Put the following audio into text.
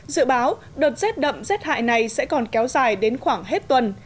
dự báo đợt rét đậm rét hại này sẽ còn kéo dài đến khoảng hết tuần